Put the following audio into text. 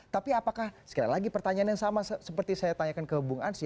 tapi apakah sekali lagi pertanyaan yang sama seperti saya tanyakan ke bung ansyi